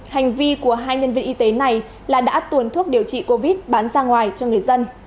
hành vi của hai nhân viên y tế này là đã tuồn thuốc điều trị covid bán ra ngoài cho người dân